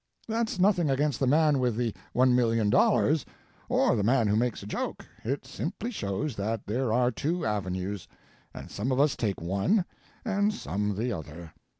"That's nothing against the man with the $1,000,000 or the man who makes a joke. It simply shows that there are two avenues, and some of us take one and some the other.